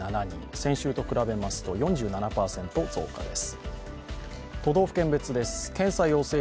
先週と比べますと４７％増加です。